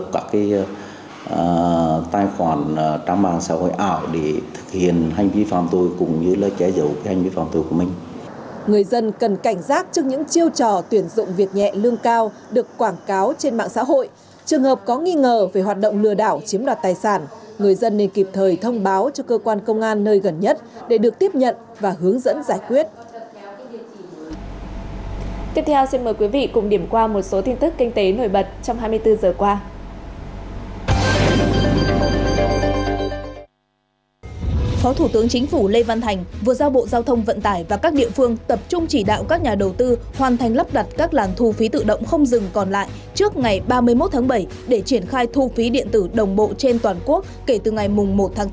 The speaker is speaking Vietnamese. phó thủ tướng chính phủ lê văn thành vừa giao bộ giao thông vận tải và các địa phương tập trung chỉ đạo các nhà đầu tư hoàn thành lắp đặt các làn thu phí tự động không dừng còn lại trước ngày ba mươi một tháng bảy để triển khai thu phí điện tử đồng bộ trên toàn quốc kể từ ngày một tháng tám